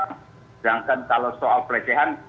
sedangkan kalau soal pelecehan